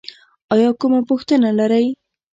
ایا کومه پوښتنه لرئ؟